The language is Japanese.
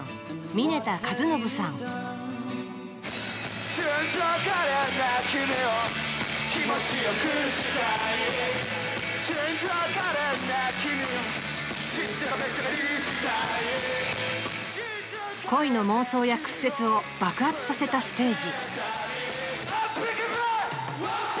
峯田和伸さん恋の妄想や屈折を爆発させたステージ